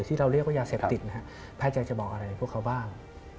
หรือที่เราเรียกว่ายาเสพติดแพทย์จะบอกอะไรบ้าง